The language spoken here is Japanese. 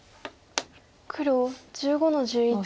黒１５の十一ノビ。